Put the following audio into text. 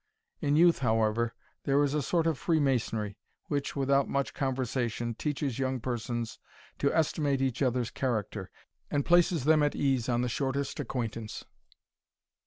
In youth, however, there is a sort of free masonry, which, without much conversation, teaches young persons to estimate each other's character, and places them at ease on the shortest acquaintance.